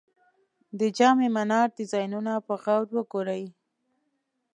د جام منار ډیزاینونه په غور وګورئ.